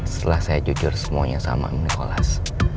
setelah saya jujur semuanya sama om nikolas